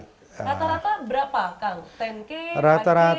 rata rata berapa kang